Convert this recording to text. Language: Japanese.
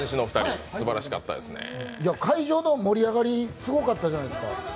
会場の盛り上がり、すごかったじゃないですか。